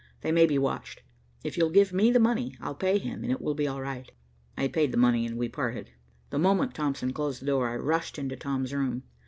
They may be watched. If you'll give me the money, I'll pay him and it will be all right." I paid the money, and we parted. The moment Thompson closed the door, I rushed into Tom's room.